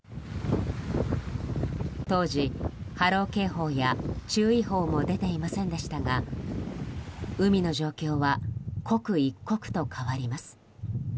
当時、波浪警報や注意報も出ていませんでしたが海の状況は刻一刻と変わります。